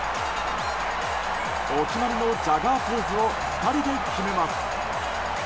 お決まりのジャガーポーズを２人で決めます。